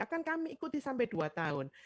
akan kami ikuti sampai dua tahun